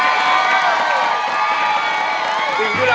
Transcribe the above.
ขอบคุณครับ